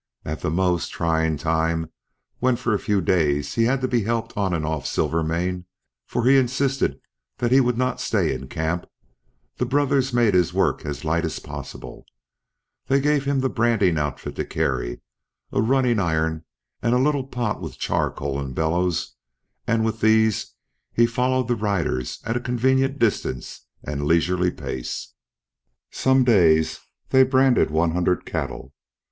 At the most trying time when for a few days he had to be helped on and off Silvermane for he insisted that he would not stay in camp the brothers made his work as light as possible. They gave him the branding outfit to carry, a running iron and a little pot with charcoal and bellows; and with these he followed the riders at a convenient distance and leisurely pace. Some days they branded one hundred cattle.